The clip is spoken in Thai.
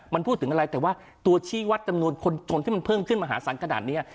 มันพูดถึงอะไรแต่ว่าตัวชี้วัดจำนวนคนจนที่มันเพิ่มขึ้นมหาศาลขนาดนี้